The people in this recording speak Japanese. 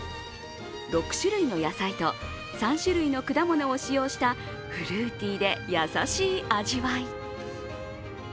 ６種類の野菜と３種類の果物を使用したフルーティーで優しい味わい。